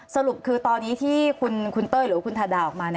สรุปคือตอนนี้ที่คุณเต้ยหรือว่าคุณทาดาออกมา